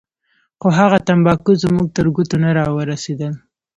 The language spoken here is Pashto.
خو هغه تمباکو زموږ تر ګوتو نه راورسېدل.